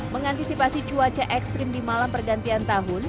mengantisipasi cuaca ekstrim di malam pergantian tahun